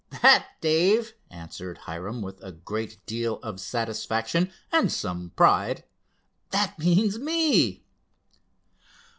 "That, Dave," answered Hiram with a great deal of satisfaction, and some pride—"that means me."